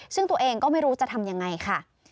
ซึ่งตัวเองก็ไม่รู้จะทำยังไงค่ะ